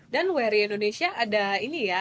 dan warry indonesia ada ini ya